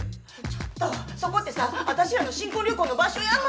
ちょっとそこってさ私らの新婚旅行の場所やん